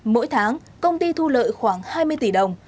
mỗi tháng công ty thu lợi khoảng hai mươi tỷ đồng